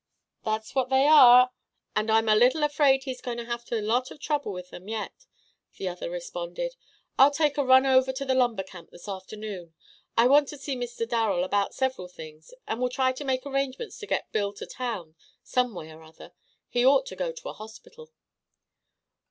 "That's what they are, and I'm a little afraid he's going to have lots of trouble with them yet," the other responded. "I'll take a run over to the lumber camp this afternoon. I want to see Mr. Darrel about several things, and will try to make arrangements to get Bill to town, some way or other. He ought to go to a hospital."